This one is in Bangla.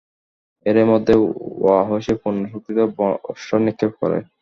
এরই মধ্যে ওয়াহশী পূর্ণ শক্তিতে বর্শা নিক্ষেপ করে।